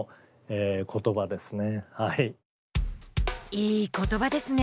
いい言葉ですね。